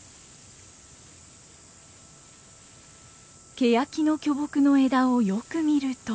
ケヤキの巨木の枝をよく見ると。